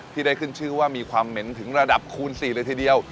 ที่ได้ขึ้นชื่อว่ามีความเหม็นถึงระดับคูณ๔เลยทีเดียว